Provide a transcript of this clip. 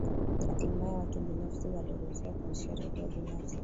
Hatimaye watu binafsi waliruhusiwa kuanzisha Radio binafsi